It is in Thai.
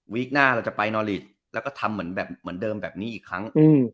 วีคหน้าเราจะไปนอลลีสต์แล้วก็ทำเหมือนเดิมแบบนี้อีกครั้ง